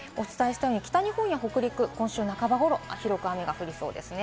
北日本や北陸、今週半ばごろ、雨が降りそうですね。